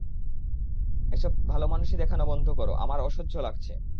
এসব ভালোমানুষি দেখানো বন্ধ কর, আমার অসহ্য লাগছে।